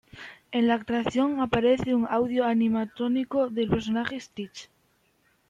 En la atracción aparece un Audio-Animatrónico del personaje Stitch.